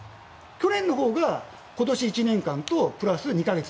去年のほうが、今年１年間とプラス２か月。